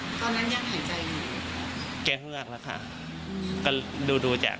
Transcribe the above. ตอนนั้นยังหายใจอยู่ไหม